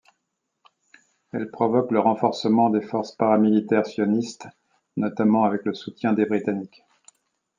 Elle provoque le renforcement des forces paramilitaires sionistes, notamment avec le soutien des Britanniques.